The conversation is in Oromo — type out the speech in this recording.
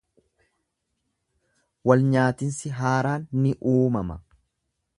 Wal nyaatinsi haaraan ni uumama.